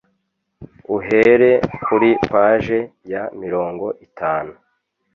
uhere kuri paje ya mirongo itanu